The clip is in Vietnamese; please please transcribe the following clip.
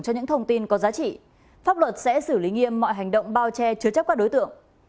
cho những thông tin có giá trị pháp luật sẽ xử lý nghiêm mọi hành động bao che chứa chấp các đối tượng